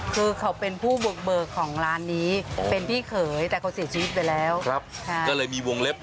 คือเห็นแล้วมันก็อยากกินแต่ของลูกค้ากินไม่ได้นะ